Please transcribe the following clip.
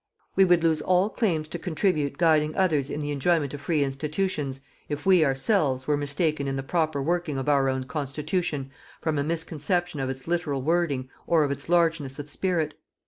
We would lose all claims to contribute guiding others in the enjoyment of free institutions if we, ourselves, were mistaken in the proper working of our own constitution from a misconception of its literal wording or of its largeness of spirit.